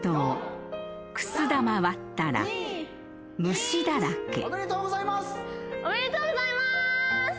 ４・３・２・１。おめでとうございます。